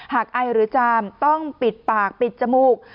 ไอหรือจามต้องปิดปากปิดจมูก